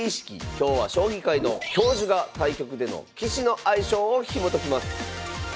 今日は将棋界の教授が対局での棋士の相性をひもときます